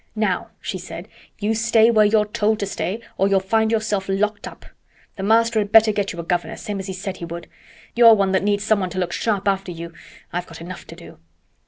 "Now," she said, "you stay where you're told to stay or you'll find yourself locked up. The master had better get you a governess, same as he said he would. You're one that needs someone to look sharp after you. I've got enough to do."